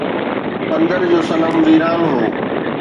پندر جو صنم ويران هو